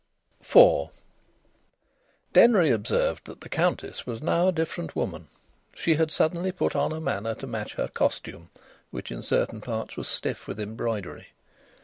IV Denry observed that the Countess was now a different woman. She had suddenly put on a manner to match her costume, which in certain parts was stiff with embroidery.